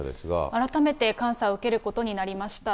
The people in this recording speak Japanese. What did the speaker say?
改めて監査を受けることになりました。